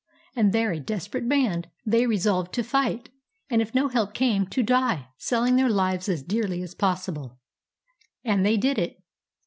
And there, a desperate band, they resolved to fight, and, if no help came, to die, selling their lives as dearly as possible. And they did it.